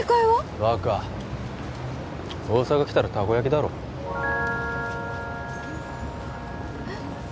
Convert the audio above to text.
バカ大阪来たらたこ焼きだろえっ？